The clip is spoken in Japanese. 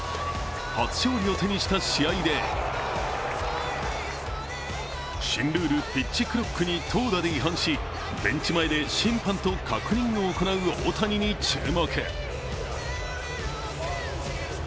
初勝利を手にした試合で、新ルール、ピッチクロックに投打で違反しベンチ前で審判と確認を行う大谷に注目。